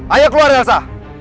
ayo keluar elsa